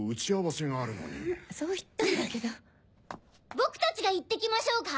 僕たちが行ってきましょうか？